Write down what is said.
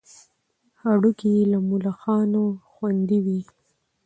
هډوکي یې له ملخانو خوندي وي.